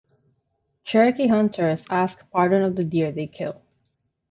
Cherokee hunters ask pardon of the deer they kill.